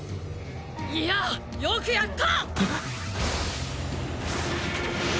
イヤよくやった！！